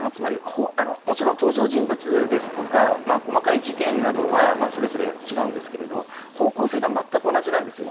もちろん登場人物ですとか細かい事件などはそれぞれ違うんですけれど方向性が全く同じなんですよ。